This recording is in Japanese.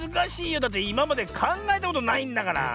だっていままでかんがえたことないんだから。